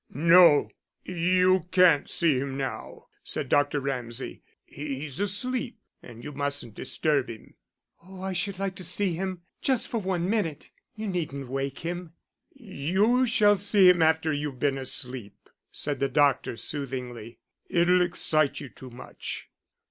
"No, you can't see him now," said Dr. Ramsay, "he's asleep, and you mustn't disturb him." "Oh, I should like to see him, just for one minute. You needn't wake him." "You shall see him after you've been asleep," said the doctor, soothingly. "It'll excite you too much."